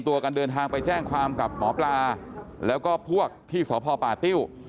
ตัวกันเดินทางไปแจ้งความกับหมอปลาแล้วก็พวกที่สพป่าติ้ว